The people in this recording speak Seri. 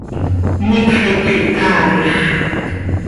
¡Iicx iicx ihcaaix!